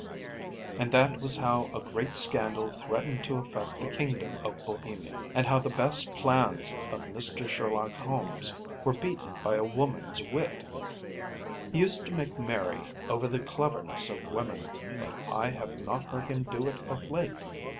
And that was how a great scandal threatened to affect the kingdom of Bohemia, and how the best plans of Mr. Sherlock Holmes were beaten by a woman’s wit. He used to make merry over the cleverness of women, but I have not heard him do it of late.